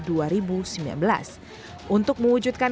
untuk mewujudkan kembali keperluan